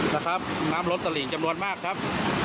นะครับน้ำล้นตระหลิงจำนวนมากครับ